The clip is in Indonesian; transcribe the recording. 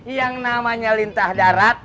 yang namanya lintah darat